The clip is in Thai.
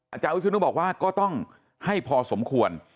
อาจารย์วิศนุบอกว่าก็ต้องให้พอสมควร